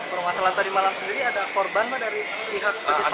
perumahan kalah tadi malam sendiri ada korban dari pihak ojek pangkalan